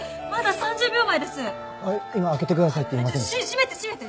閉めて閉めて！